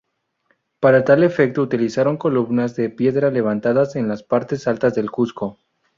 Para tal efecto utilizaron columnas de piedra levantadas en las partes altas del Cuzco.